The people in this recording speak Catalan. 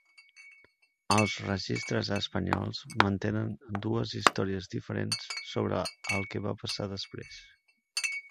Els registres espanyols mantenen dues històries diferents sobre el que va passar després.